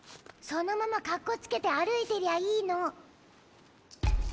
そのまま格好つけて歩いてりゃいいの。